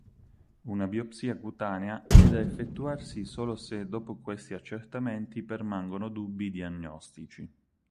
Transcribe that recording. Una biopsia cutanea è da effettuarsi solo se dopo questi accertamenti permangono dubbi diagnostici.